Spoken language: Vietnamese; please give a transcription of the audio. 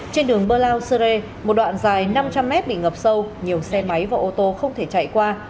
trên đường bơ lao sơ rê một đoạn dài năm trăm linh mét bị ngập sâu nhiều xe máy và ô tô không thể chạy qua